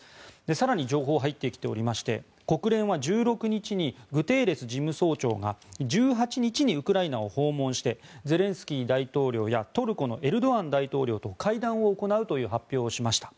更に情報が入ってきておりまして国連は１６日にグテーレス事務総長が１８日にウクライナを訪問してゼレンスキー大統領やトルコのエルドアン大統領と会談を行うという発表をしました。